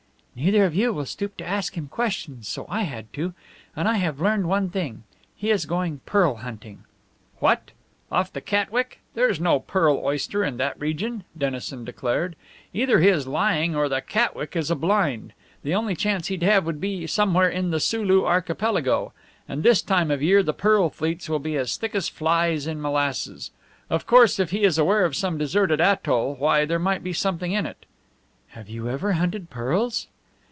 "Neither of you will stoop to ask him questions, so I had to. And I have learned one thing. He is going pearl hunting." "What? Off the Catwick? There's no pearl oyster in that region," Dennison declared. "Either he is lying or the Catwick is a blind. The only chance he'd have would be somewhere in the Sulu Archipelago; and this time of year the pearl fleets will be as thick as flies in molasses. Of course if he is aware of some deserted atoll, why, there might be something in it." "Have you ever hunted pearls?"